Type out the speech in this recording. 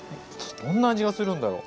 どんな味がするんだろう。